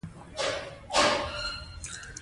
ازادي راډیو د امنیت د ستونزو حل لارې سپارښتنې کړي.